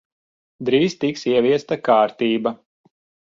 Drīz tiks ieviesta kārtība.